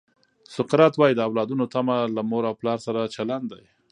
سقراط وایي د اولادونو تمه له مور او پلار سره چلند دی.